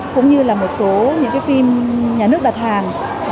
cũng như là một số những phim nhà nước đặt ra cũng như là một số những phim nhà nước đặt ra